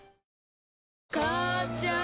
母ちゃん